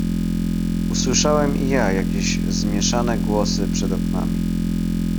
"Usłyszałem i ja jakieś zmieszane głosy przed oknami."